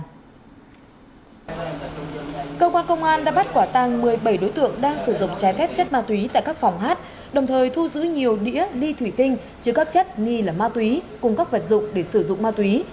cơ quan công an đã bắt quả tăng một mươi bảy đối tượng đang sử dụng trái phép chất ma túy tại các phòng hát đồng thời thu giữ nhiều đĩa ly thủy tinh chứa các chất nghi là ma túy cùng các vật dụng để sử dụng ma túy